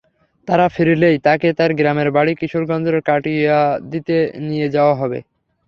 তাঁরা ফিরলেই তাঁকে তাঁর গ্রামের বাড়ি কিশোরগঞ্জের কটিয়াদীতে নিয়ে যাওয়া হবে।